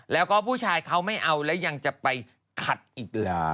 แล้วก็ผู้ชายเขาไม่เอาแล้วยังจะไปขัดอีกเหรอ